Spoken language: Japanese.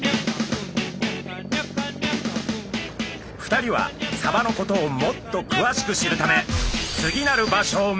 ２人はサバのことをもっとくわしく知るため次なる場所を目指します。